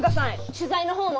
取材の方も。